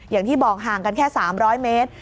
อย่างที่บอกห่างกันแค่๓๐๐เมตร